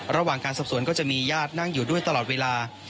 ระหว่างการสอบสวนก็จะมีญาตินั่งอยู่ด้วยตลอดเวลา